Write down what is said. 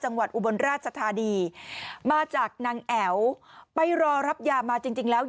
จังหวัดอุบลราชสถาดีมาจากนางแอ๋วไปรอรับยามาจริงแล้ว